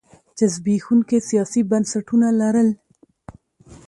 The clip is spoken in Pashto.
چې زبېښونکي سیاسي بنسټونه لرل.